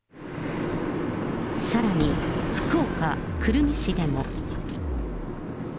さらに福岡・久留米市でも。